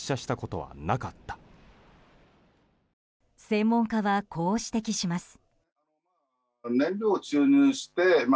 専門家は、こう指摘します。